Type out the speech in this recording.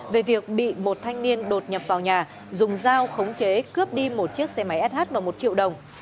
về việc bị một thanh niên đột nhập vào nhà dùng dao khống chế cướp đi một chiếc xe máy sh và một triệu đồng